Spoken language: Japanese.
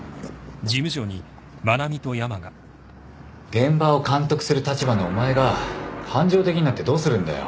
現場を監督する立場のお前が感情的になってどうするんだよ。